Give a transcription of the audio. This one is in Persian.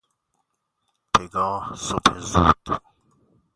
پگاه، صبح زود